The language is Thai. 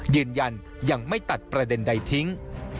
ยืนยันยังไม่ตัดประเด็นใดทิ้ง